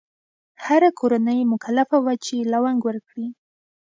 هره کورنۍ مکلفه وه چې لونګ ورکړي.